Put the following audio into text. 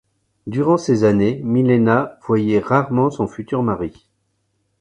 Durant ces années, Milena voyait rarement son futur mari.